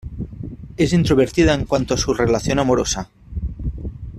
Es introvertida en cuanto a su relación amorosa.